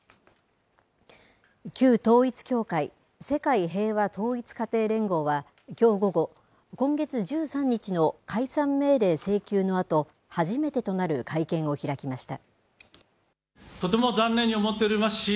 旧統一教会、世界平和統一家庭連合はきょう午後、今月１３日の解散命令請求のあと初めてとなる会見を開きました。